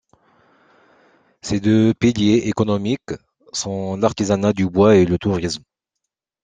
Ses deux piliers économiques sont l'artisanat du bois et le tourisme.